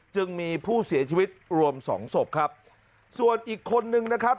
จึงมีผู้เสียชีวิตรวมสองศพครับส่วนอีกคนนึงนะครับ